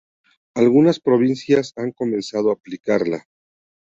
Algunas provincias han comenzado aplicarla.